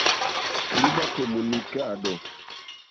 Skriba komunikado.